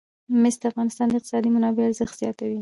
مس د افغانستان د اقتصادي منابعو ارزښت زیاتوي.